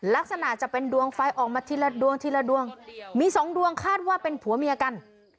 ลักษณะจะเป็นดวงไฟออกมาทีละดวงทีละดวงมีสองดวงคาดว่าเป็นผัวเมียกัน